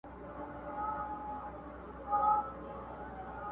o ژمی به تېر سي، مختوري به دېگدان ته پاته سي٫